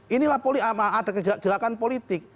inilah poliama ada gerakan politik